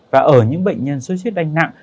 và ở những bệnh nhân suất huyết đanh nặng